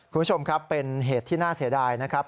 คุณผู้ชมครับเป็นเหตุที่น่าเสียดายนะครับ